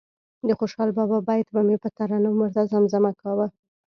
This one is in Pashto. د خوشال بابا بیت به مې په ترنم ورته زمزمه کاوه.